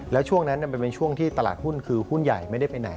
แล้วช่วงนั้นมันเป็นช่วงที่ตลาดหุ้นคือหุ้นใหญ่ไม่ได้ไปไหน